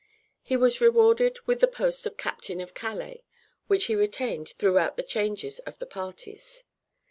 He was rewarded with the post of Captain of Calais, which he retained throughout the changes of the parties.